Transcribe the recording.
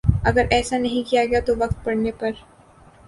اگر ایسا نہیں کیا گیا تو وقت پڑنے پر